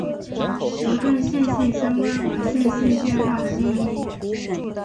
如对线性相关和线性变换的定义。